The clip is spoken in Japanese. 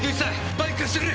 バイク貸してくれ！